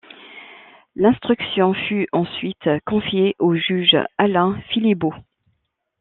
L'instruction fut ensuite confiée au juge Alain Philibeaux.